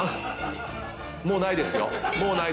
もうないですよ。